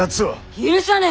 許さねえ！